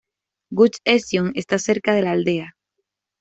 Gush Etzion está cerca de la aldea.